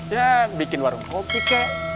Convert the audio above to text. ya bikin warung kopi kek